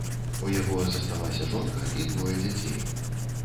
У яго засталася жонка і двое дзяцей.